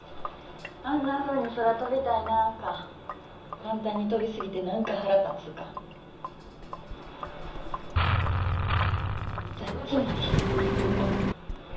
あんなふうに空飛びたいなぁか簡単に飛び過ぎて何か腹立つか。どっちもです。